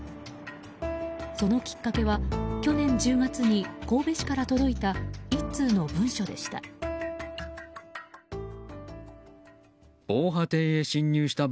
そのきっかけは去年１０月に神戸市から届いた１通の文書でした。